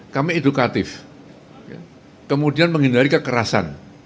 kami edukatif kemudian menghindari kekerasan